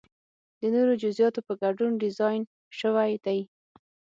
د نورو جزئیاتو په ګډون ډیزاین شوی دی.